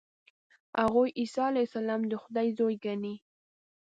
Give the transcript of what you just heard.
هغوی عیسی علیه السلام د خدای زوی ګڼي.